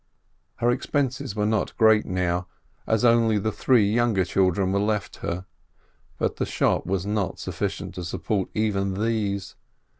Her expenses were not great now, as only the three younger children were left her, but the shop was not sufficient to support even these.